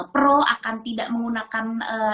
pro akan tidak menggunakan